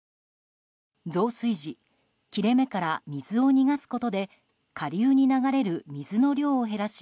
増水時、切れ目から水を逃がすことで下流に流れる水の量を減らし